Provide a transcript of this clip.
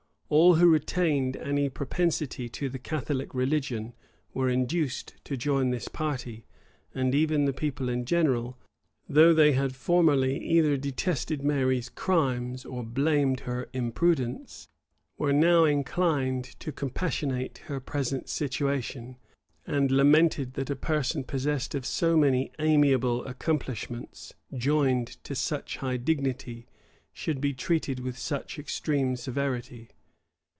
All who retained any propensity to the Catholic religion were induced to join this party; and even the people in general, though they had formerly either detested Mary's crimes or blamed her imprudence, were now inclined to compassionate her present situation, and lamented that a person possessed of so many amiable accomplishments, joined to such high dignity, should be treated with such extreme severity.